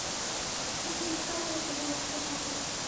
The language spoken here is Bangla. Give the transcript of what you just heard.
তিনি চিৎকার করে কেঁদে উঠতে থাকেন।